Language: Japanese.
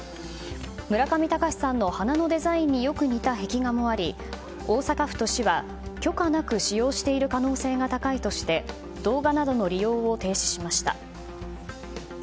村上隆さんの花のデザインによく似た壁画もあり大阪府と市は、許可なく使用している可能性が高いとして動画などの利用を停止しました。